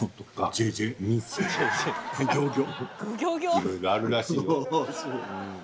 いろいろあるらしいよ。